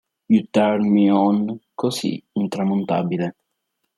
You Turn Me On" così intramontabile.